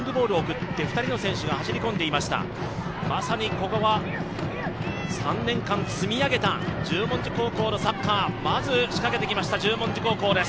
まさにここは３年間積み上げた十文字高校のサッカー、まず、仕掛けてきました十文字高校です。